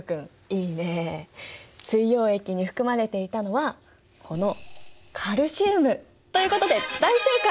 水溶液に含まれていたのはこのということで大正解！